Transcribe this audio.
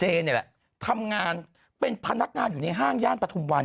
นี่แหละทำงานเป็นพนักงานอยู่ในห้างย่านปฐุมวัน